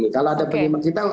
kalau ada penyemang kita